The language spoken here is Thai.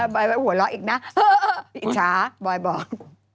บอยไว้หัวเราะอีกนะอิจฉาบอยบอก